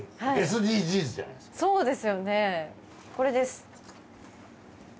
そうですよねこれです。